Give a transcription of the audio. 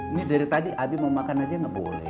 ini dari tadi abi mau makan aja nggak boleh